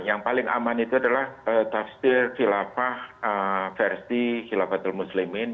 yang paling aman itu adalah tafsir khilafah versi khilafatul muslimin